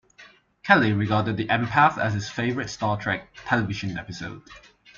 Kelley regarded "The Empath" as his favourite "Star Trek" television episode.